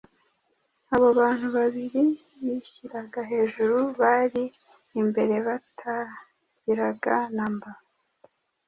abo bantu babiri bishyiraga hejuru bari imbere batagiraga na mba.